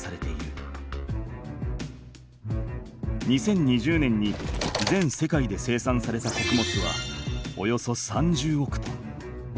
２０２０年に全世界で生産されたこくもつはおよそ３０億トン。